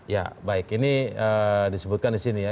ya baik ini disebutkan disini ya